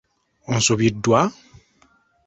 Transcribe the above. Onsubiddwa?